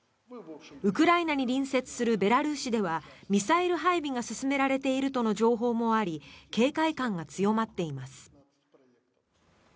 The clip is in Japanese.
ウクライナに隣接するベラルーシではミサイル配備が進められているとの情報もあり警戒感が強まっています。